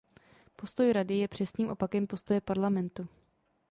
Postoj Rady je přesným opakem postoje Parlamentu.